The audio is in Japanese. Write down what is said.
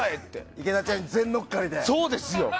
池田ちゃん全乗っかりで。